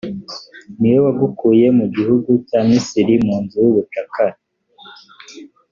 ni we wagukuye mu gihugu cya misiri, mu nzu y’ubucakara;